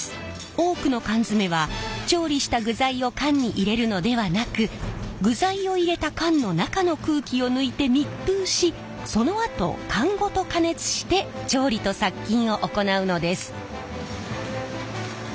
多くの缶詰は調理した具材を缶に入れるのではなく具材を入れた缶の中の空気を抜いて密封しそのあと缶ごと加熱して調理と殺菌を行うのです。